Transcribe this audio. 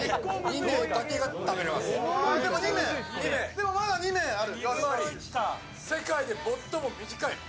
でもまだ２名ある。